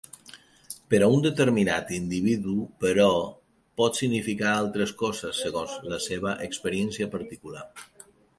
Per a un determinat individu, però, pot significar altres coses segons la seva experiència particular.